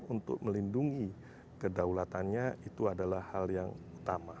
untuk melindungi kedaulatannya itu adalah hal yang utama